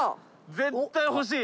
絶対ほしい！